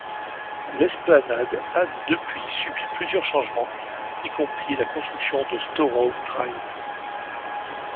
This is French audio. L'Esplanade a depuis subi plusieurs changements, y compris la construction de Storrow Drive.